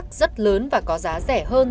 thuốc lát rất lớn và có giá rẻ hơn